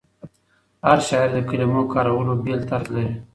هر شاعر د کلمو کارولو بېل طرز لري.